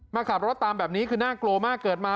มาขับรถตามแบบนี้คือน่ากลัวมากเกิดมา